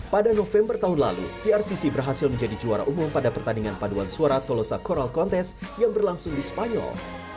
pada november tahun lalu trcc berhasil menjadi juara umum pada pertandingan paduan suara tolosa coral contest yang berlangsung di spanyol